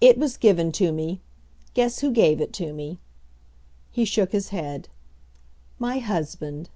"It was given to me. Guess who gave it to me." He shook his head. "My husband!"